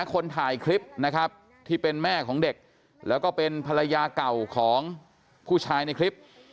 คนถ่ายคลิปนะครับที่เป็นแม่ของเด็กแล้วก็เป็นภรรยาเก่าของผู้ชายในคลิป